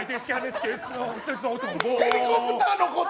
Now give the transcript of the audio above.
ヘリコプターのこと！？